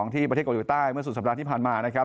ที่ประเทศเกาหลีใต้เมื่อสุดสัปดาห์ที่ผ่านมานะครับ